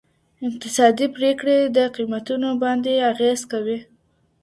اقتصادي پریکړې د قیمتونو باندې اغیز کوي.